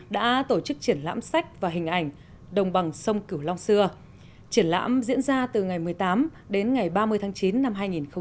đã tổ chức triển lãm sách và hình ảnh đồng bằng sông cửu long xưa triển lãm diễn ra từ ngày một mươi tám đến ngày ba mươi tháng chín năm hai nghìn một mươi chín